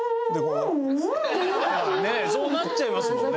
ねえそうなっちゃいますもんね。